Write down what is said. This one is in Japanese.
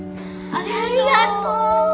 ありがとう！